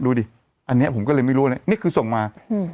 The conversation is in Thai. ดูอันนี้ผมก็เรียกไม่รู้กว่านี้นี่คือส่งมา